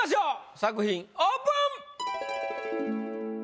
作品オープン！